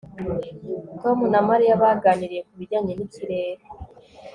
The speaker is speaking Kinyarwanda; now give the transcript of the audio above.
Tom na Mariya baganiriye ku bijyanye nikirere